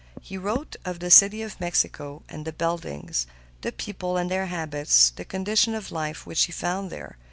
He wrote of the City of Mexico, the buildings, the people and their habits, the conditions of life which he found there.